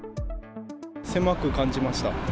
狭く感じました。